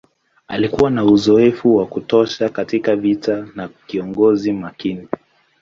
Alikuwa na uzoefu wa kutosha katika vita na kiongozi makini.